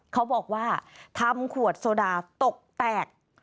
เขาบอกว่าทำขวดโซดาตกแตก